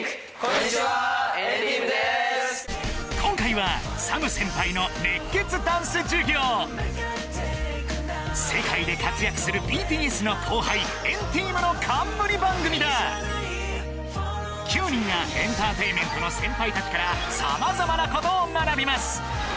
今回は世界で活躍するＢＴＳの後輩「＆ＴＥＡＭ」の冠番組だ９人がエンターテインメントの先輩たちからさまざまなことを学びます